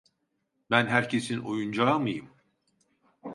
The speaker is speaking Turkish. Ben herkesin oyuncağı mıyım?